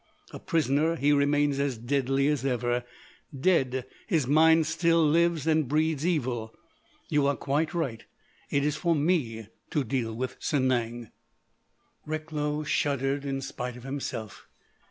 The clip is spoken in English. A prisoner, he remains as deadly as ever; dead, his mind still lives and breeds evil. You are quite right; it is for me to deal with Sanang." Recklow shuddered in spite of himself.